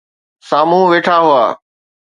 سامهون ويٺا هئا